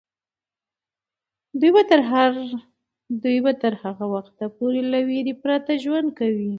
دوی به تر هغه وخته پورې له ویرې پرته ژوند کوي.